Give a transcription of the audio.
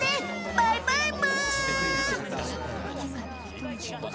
バイバイむ！